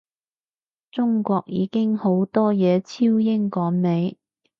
中國已經好多嘢超英趕美